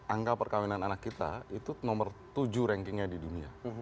angka perkawinan anak kita itu nomor tujuh rankingnya di dunia